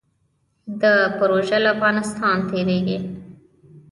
دا پروژه له افغانستان تیریږي